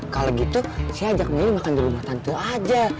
kalo gitu saya ajak belly makan dulu sama tante aja